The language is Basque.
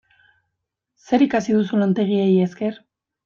Zer ikasi duzu lantegiei esker?